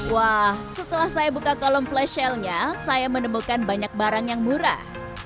wah setelah saya buka kolom flash sale nya saya menemukan banyak barang yang murah